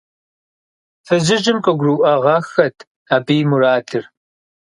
Фызыжьым къыгурыӏуагъэххэт абы и мурадыр.